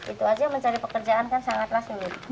itu aja mencari pekerjaan kan sangatlah sulit